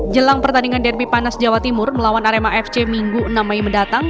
jelang pertandingan derby panas jawa timur melawan arema fc minggu enam mei mendatang